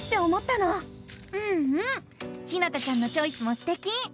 うんうんひなたちゃんのチョイスもすてき！